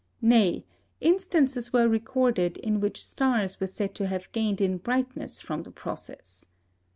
Nay, instances were recorded in which stars were said to have gained in brightness from the process!